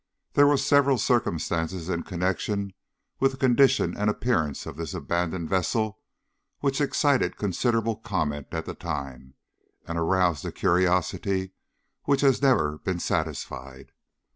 There were several circumstances in connection with the condition and appearance of this abandoned vessel which excited considerable comment at the time, and aroused a curiosity which has never been satisfied.